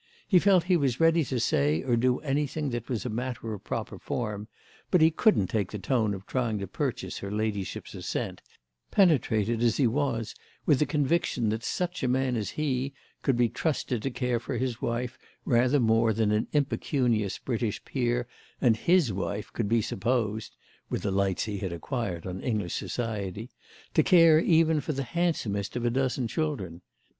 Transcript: He felt he was ready to say or do anything that was a matter of proper form, but he couldn't take the tone of trying to purchase her ladyship's assent, penetrated as he was with the conviction that such a man as he could be trusted to care for his wife rather more than an impecunious British peer and his wife could be supposed—with the lights he had acquired on English society—to care even for the handsomest of a dozen children.